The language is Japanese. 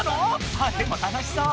あでも楽しそう。